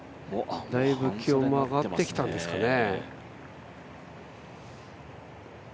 だいぶ気温も上がってきたんですかね。